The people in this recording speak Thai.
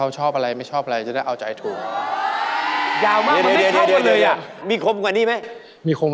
จีนแว๊กได้ไหม